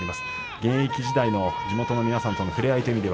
現役のとき地元の皆さんとの触れ合い